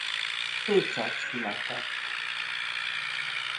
Pécsett született.